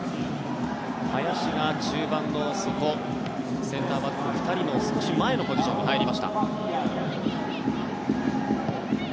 林が中盤の底センターバックの２人の少し前のポジションに入りました。